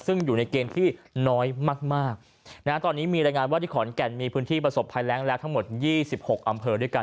ซึ่งอยู่ในเกณฑ์ที่น้อยมากมากนะฮะตอนนี้มีรายงานว่าที่ขอนแก่นมีพื้นที่ประสบภัยแรงแล้วทั้งหมดยี่สิบหกอำเภอด้วยกัน